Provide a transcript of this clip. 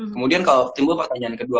kemudian kalau timbul pertanyaan kedua